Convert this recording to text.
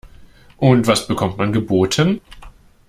Und was bekommt man geboten?